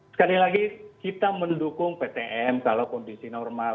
sekali lagi kita mendukung ptm kalau kondisi normal